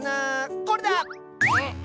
これだ！